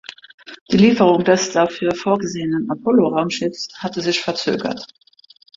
Die Lieferung des dafür vorgesehenen Apollo-Raumschiffs hatte sich verzögert.